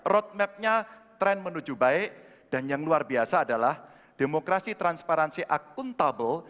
roadmapnya tren menuju baik dan yang luar biasa adalah demokrasi transparansi akuntabel